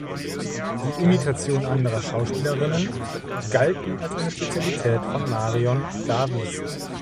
Die Imitation anderer Schauspielerinnen galten als eine Spezialität von Marion Davies.